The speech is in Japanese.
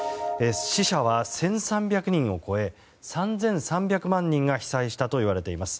死者は１３００人を超え３３００万人が被災したといわれています。